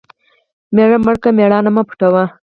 مېړه مړ کړه مېړانه مه پوټوه .